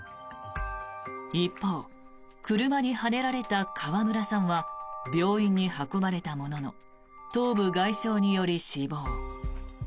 一方、車にはねられた川村さんは病院に運ばれたものの頭部外傷により死亡。